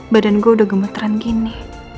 badan gue udah gemeteran gini